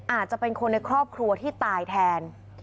อาจจะเป็นคนในครอบครัวที่ตายแทน